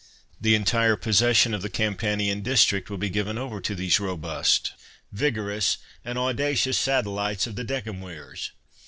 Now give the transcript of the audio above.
The entire pos session of the Campanian district will be given over to these robust, vigorous, and audacious satellites of the decemvirs.